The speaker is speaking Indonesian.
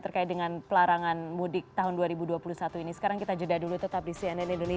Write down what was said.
terkait dengan pelarangan mudik tahun dua ribu dua puluh satu ini